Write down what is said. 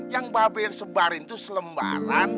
yang babe yang sebarin tuh selembaran